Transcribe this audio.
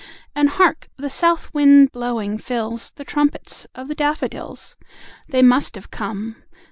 And hark! The South Wind blowing, fills The trumpets of the Daffodils. They MUST have come!"